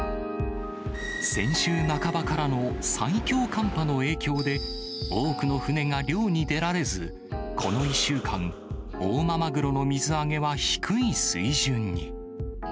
先週半ばからの最強寒波の影響で、多くの船が漁に出られず、この１週間、大間マグロの水揚げは低い水準に。